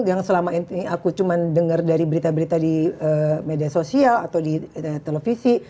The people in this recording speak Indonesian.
yang selama ini aku cuma dengar dari berita berita di media sosial atau di televisi